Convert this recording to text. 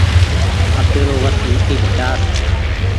آپير وس مت گھٽآس ۔